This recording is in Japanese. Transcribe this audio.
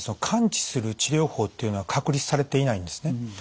完治する治療法っていうのは確立されていないんですね。